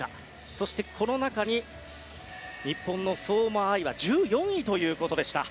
そしてこの中に日本の相馬あいは１４位ということでした。